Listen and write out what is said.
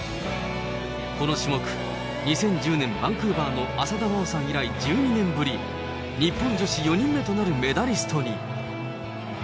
この種目、２０１０年バンクーバーの浅田真央さん以来１２年ぶり、日本女子４人目となるメダリストに。